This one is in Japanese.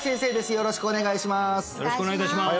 よろしくお願いします